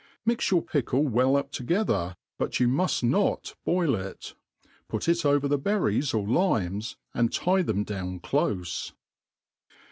Mix your pickle well up together, but you muft not boil it; put it over the berries or limes J and tie them down clofe.